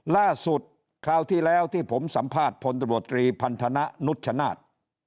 คราวที่แล้วที่ผมสัมภาษณ์พลตำรวจตรีพันธนะนุชชนาธิ์